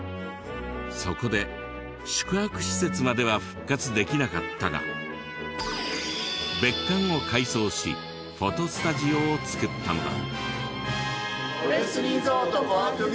そこで宿泊施設までは復活できなかったが別館を改装しフォトスタジオを作ったのだ。